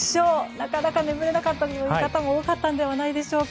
なかなか眠れなかった方も多かったのではないでしょうか。